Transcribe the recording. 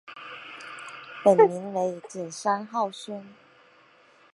本名为景山浩宣。